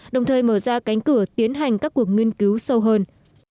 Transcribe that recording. đồng thời mở ra cánh cửa tiến hành các cuộc nghiên cứu sâu hơn